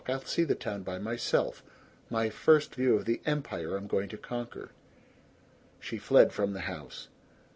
I'll see the town by myself. My first view of the empire I'm going to conquer!" She fled from the house.